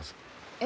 え？